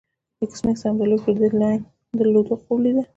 ایس میکس هم د لوی کریډیټ لاین درلودلو خوب لیده